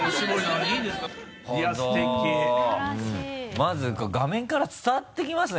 まず画面から伝わってきますね